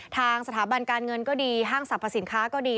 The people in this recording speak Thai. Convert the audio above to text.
ทางสถาบันการเงินก็ดีห้างสรรพสินค้าก็ดี